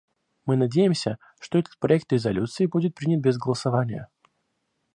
Мы надеемся, что этот проект резолюции будет принят без голосования.